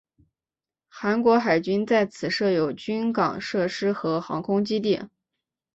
韩国海军在此设有军港设施和航空基地。